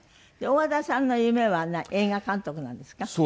大和田さんの夢は映画監督なんですか？